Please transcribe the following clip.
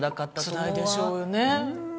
つらいでしょうね。